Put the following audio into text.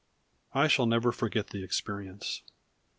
I shall never forget the experience.